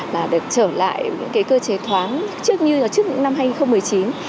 và được trở lại những cái cơ chế thoáng trước như là trước những năm hai nghìn một mươi chín